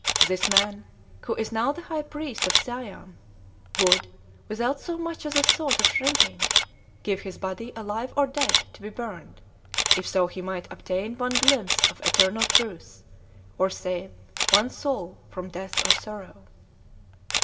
This man who is now the High Priest of Siam would, without so much as a thought of shrinking, give his body, alive or dead, to be burned, if so he might obtain one glimpse of eternal truth, or save one soul from death or sorrow."